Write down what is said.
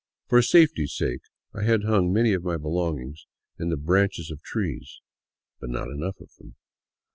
For safety's sake I had hung many of my belongings in the branches of trees; but not enough of them.